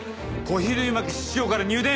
小比類巻室長から入電。